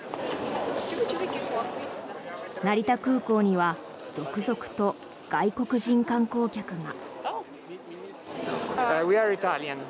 成田空港には続々と外国人観光客が。